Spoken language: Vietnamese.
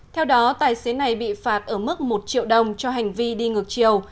theo đó tài xế này bị phạt ở mức một triệu đồng cho hành vi đi ngược chiều